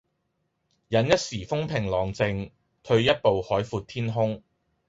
忍一時風平浪靜，退一步海闊天空